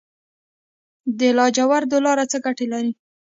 د لاجوردو لاره څه ګټه لري؟